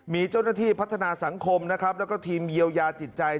มีเจ้าหน้าที่พัฒนาสังคมนะครับแล้วก็ทีมเยียวยาจิตใจ